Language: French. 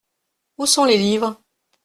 Où sont les livres ?